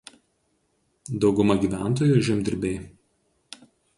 Dauguma gyventojų žemdirbiai.